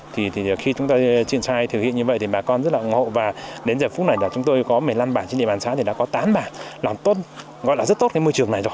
thì khi chúng ta triển khai thực hiện như vậy thì bà con rất là ủng hộ và đến giờ phút này là chúng tôi có một mươi năm bản trên địa bàn xã thì đã có tám bản làm tốt gọi là rất tốt cái môi trường này rồi